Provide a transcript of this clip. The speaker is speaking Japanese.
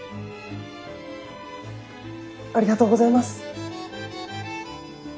ありがとうございます！